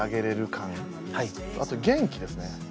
あと元気ですね。